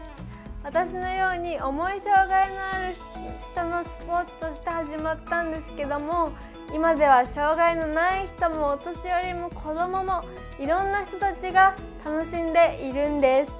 私のように重い障がいがある人のスポーツとして始まったんですけども今では障がいのない人もお年寄りも子どももいろんな人たちが楽しんでいるんです。